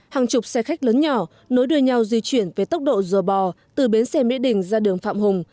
hàng chục xe khách lớn nhỏ nối đuôi nhau di chuyển về tốc độ rùa bò từ bến xe mỹ đình ra đường phạm hùng